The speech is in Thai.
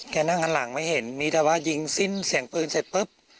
แค่นั่งข้างหลังไม่เห็นมีแต่ว่ายิงสิ้นเสี่ยงปืนเศรษฐ์เสร็จปุ๊บ